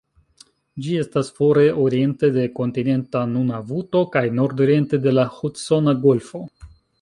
Ĝi estas fore oriente de kontinenta Nunavuto, kaj nordorienta de la Hudsona Golfo.